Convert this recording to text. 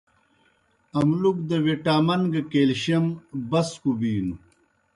اَملُک دہ وٹامن گہ کیلشیم بسکوْ بِینوْ